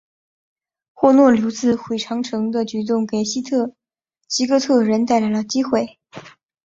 霍诺留自毁长城的举动给西哥特人带来了机会。